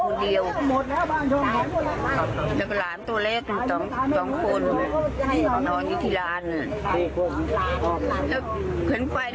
นี่คุณแม่หนูหนูมันสุดสาวเนี่ย